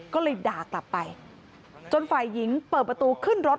ก็เลยด่ากลับไปจนฝ่ายหญิงเปิดประตูขึ้นรถ